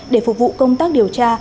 để phục vụ công tác điều tra